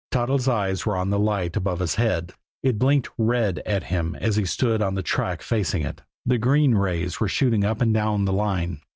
Toddles' eyes were on the light above his head. It blinked red at him as he stood on the track facing it; the green rays were shooting up and down the line.